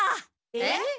えっ？